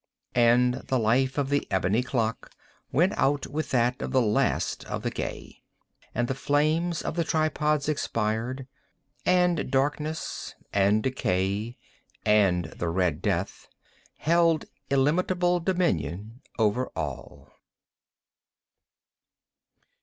And the life of the ebony clock went out with that of the last of the gay. And the flames of the tripods expired. And Darkness and Decay and the Red Death held illimitable dominion over all.